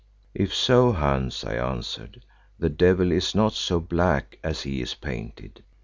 "If so, Hans," I answered, "the devil is not so black as he is painted.